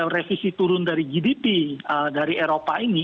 revisi turun dari gdp dari eropa ini